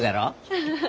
フフフ。